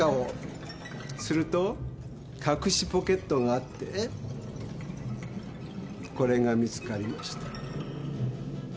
すると隠しポケットがあってこれが見つかりました。